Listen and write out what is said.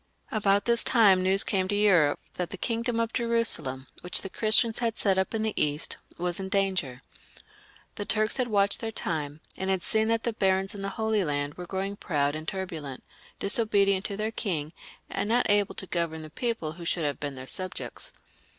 About this time news came to Europe that the kingdom of Jerusalem, which the Christians had set up in the East, was in danger. The Turks had watched their time, and had seen that the barons in the Holy Land were growing proud and turbulent, disobedient to their king, and not able to govern the people who should have been their sub jects.